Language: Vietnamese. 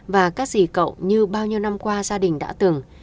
và các gì cậu như bao nhiêu năm qua gia đình đã từng